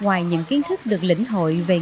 ngoài những kiến thức được lĩnh hội về nghề